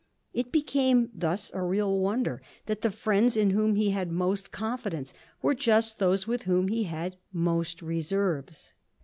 It became thus a real wonder that the friends in whom he had most confidence were just those with whom he had most reserves.